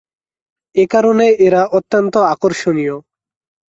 এ কারণেই এরা অত্যন্ত আকর্ষণীয়।